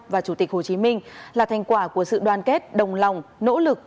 và chủ tịch hồ chí minh là thành quả của sự đoàn kết đồng lòng nỗ lực